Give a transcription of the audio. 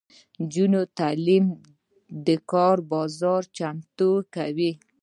د نجونو تعلیم د کار بازار ته چمتو کوي.